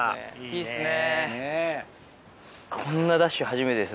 いいですね。